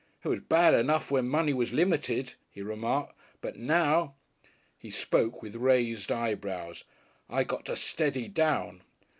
"It was bad enough when money was limited," he remarked. "But now " He spoke with raised eyebrows, "I got to steady down."